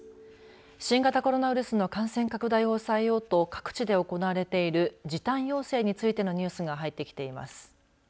新型コロナウイルスの感染拡大を抑えようと各地で行われている時短要請についてのニュースが入ってきています。